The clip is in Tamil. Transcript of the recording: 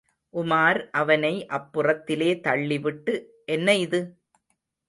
உமார் அவனை அப்புறத்திலே தள்ளிவிட்டு, என்ன இது?